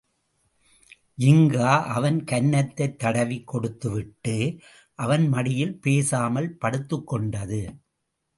ஜின்கா அவன் கன்னத்தைத் தடவிக் கொடுத்து விட்டு, அவன் மடியில் பேசாமல் படுத்துக்கொண்டது.